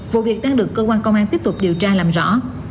vụ việc đang được cơ quan công an tiếp tục điều tra làm rõ